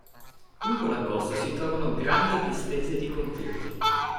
Lungo la costa si trovano grandi distese di conchiglie.